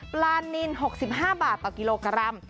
ปลานิน๖๕บาทต่อกิโลกรัม